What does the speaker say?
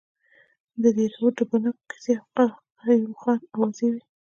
د دیراوت د بنګو کیسې او قیوم خان اوازې وې.